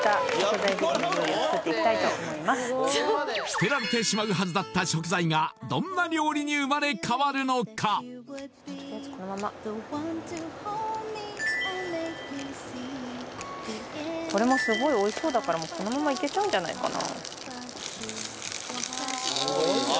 捨てられてしまうはずだった食材がどんな料理に生まれ変わるのかとりあえずこのままいけちゃうんじゃないかな